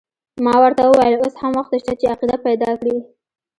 ما ورته وویل اوس هم وخت شته چې عقیده پیدا کړې.